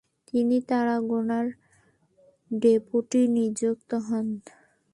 তিনি তারাগোনার ডেপুটি নিযুক্ত হন।